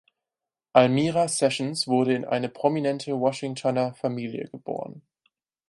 Almira Sessions wurde in eine prominente Washingtoner Familie geboren.